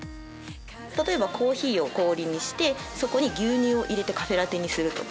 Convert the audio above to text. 例えばコーヒーを氷にしてそこに牛乳を入れてカフェラテにするとか。